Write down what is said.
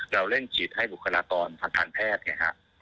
เราเล่นฉีดให้บุคลาตรภัฒนาแพทย์